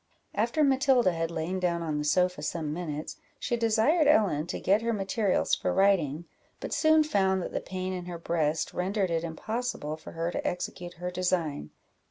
After Matilda had lain down on the sofa some minutes, she desired Ellen to get her materials for writing, but soon found that the pain in her breast rendered it impossible for her to execute her design.